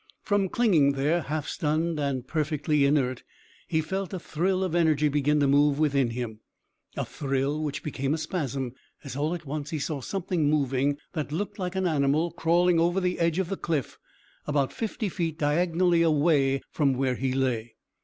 From clinging there half stunned and perfectly inert, he felt a thrill of energy begin to move within him a thrill which became a spasm as all at once he saw something moving that looked like an animal crawling over the edge of the cliff about fifty feet diagonally away from where he lay.